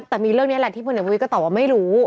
แต่มีเรื่องนี้แหละที่พลเอกประวิทย์ก็ตอบว่าไม่รู้